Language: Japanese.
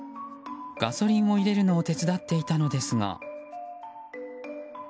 ガソリンを入れるのを手伝っていたのですが。